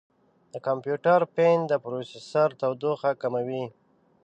د کمپیوټر فین د پروسیسر تودوخه کموي.